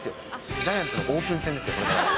ジャイアンツのオープン戦ですよ、これから。